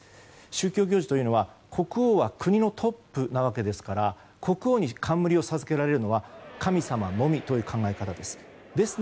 宗教行事というのは国王は国のトップですから国王に冠を授けられるのは神様のみという考え方です。